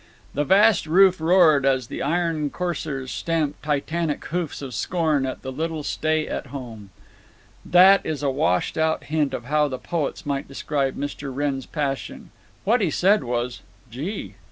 The vast roof roared as the iron coursers stamped titanic hoofs of scorn at the little stay at home. That is a washed out hint of how the poets might describe Mr. Wrenn's passion. What he said was "Gee!"